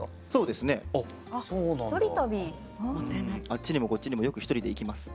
あっちにもこっちにもよく１人で行きます。